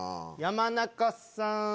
山中さん。